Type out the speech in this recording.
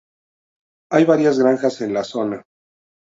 Hay varias granjas en la zona.